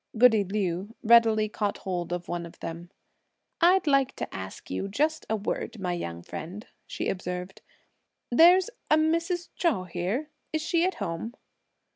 Goody Liu readily caught hold of one of them. "I'd like to ask you just a word, my young friend," she observed; "there's a Mrs. Chou here; is she at home?"